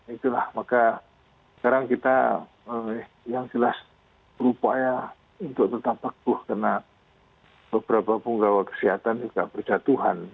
itulah maka sekarang kita yang jelas berupaya untuk tetap teguh karena beberapa punggawa kesehatan juga berjatuhan